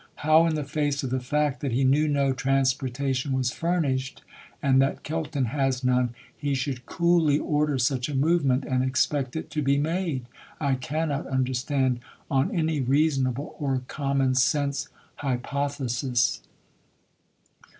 How in the face of the fact that he knew no transportation was furnished, and that Kelton has none, he should coolly order such a movement, and expect it to be made, I cannot understand on any reasonable or com mon sense hypothesis.